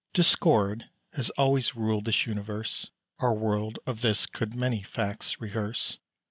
Discord has always ruled this universe; Our world of this could many facts rehearse.